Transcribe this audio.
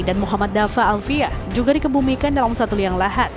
dan muhammad dafa alvia juga dikebumikan dalam satu liang lahat